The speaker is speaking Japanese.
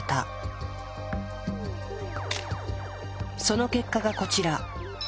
その結果がこちら。